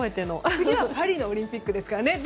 次はパリオリンピックですから。